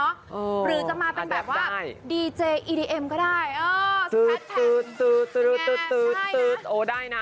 เอออาแดปได้หรือจะมาเป็นแบบว่าดีเจอีดีเอ็มก็ได้เออสวัสดีแม่ใช่นะโอ้ได้นะ